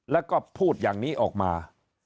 แล้วก็พูดอย่างนี้ออกมา